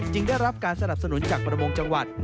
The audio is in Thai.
ได้รับการสนับสนุนจากประมงจังหวัด